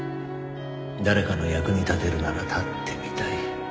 「誰かの役に立てるなら立ってみたい」